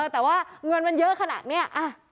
แต่ว่าเงินมันเยอะขนาดนี้